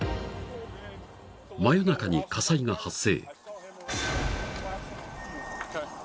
［真夜中に火災が発生］